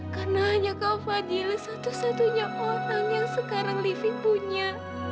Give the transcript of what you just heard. karena hanya kak fadil satu satunya orang yang sekarang livi punya